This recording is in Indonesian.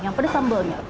yang pedas sambalnya